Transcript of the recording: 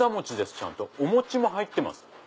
ちゃんとお餅も入ってます。